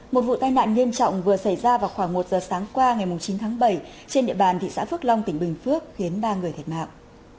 một vụ tai nạn nghiêm trọng vừa xảy ra vào khoảng một giờ sáng qua ngày chín tháng bảy trên địa bàn thị xã phước long tỉnh bình phước khiến ba người thiệt mạng